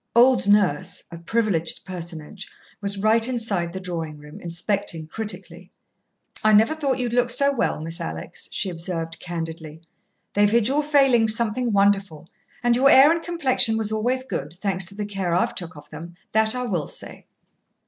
Old Nurse, a privileged personage, was right inside the drawing room, inspecting critically. "I never thought you'd look so well, Miss Alex," she observed candidly. "They've hid your failings something wonderful, and your hair and complexion was always good, thanks to the care I've took of them that I will say."